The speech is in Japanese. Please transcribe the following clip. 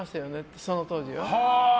その当時ね。